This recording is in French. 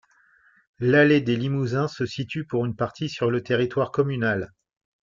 L'allée des Limousins se situe pour une partie sur le territoire communal.